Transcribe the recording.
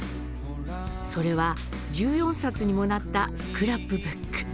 それは１４冊にもなったスクラップブック。